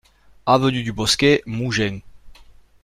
Avenue du Bosquet, Mougins